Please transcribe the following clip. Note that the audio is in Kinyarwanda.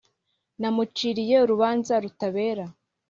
namuciriye urubanza rutabera.